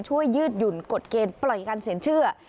ยืดหยุ่นกฎเกณฑ์ปล่อยการเสียเชื่อ